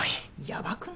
ヤバくない？